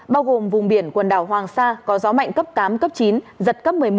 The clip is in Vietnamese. bao gồm vùng biển quần đảo hoàng sa có gió mạnh cấp tám cấp chín giật cấp một mươi một